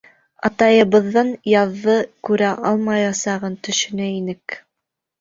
Атайыбыҙҙың яҙҙы күрә алмаясағын төшөнә инек.